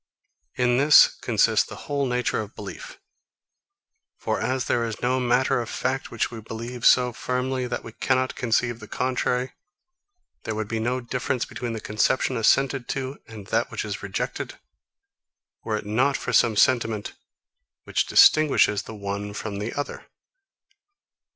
In this consists the whole nature of belief. For as there is no matter of fact which we believe so firmly that we cannot conceive the contrary, there would be no difference between the conception assented to and that which is rejected, were it not for some sentiment which distinguishes the one from the other.